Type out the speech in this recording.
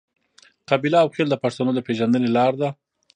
قبیله او خیل د پښتنو د پیژندنې لار ده.